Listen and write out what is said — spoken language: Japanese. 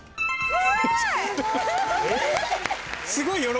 すごい！